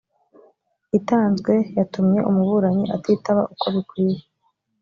itanzwe yatumye umuburanyi atitaba uko bikwiye